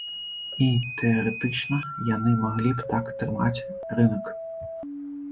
І, тэарэтычна, яны маглі б так трымаць рынак.